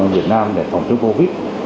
việt nam để phòng chống covid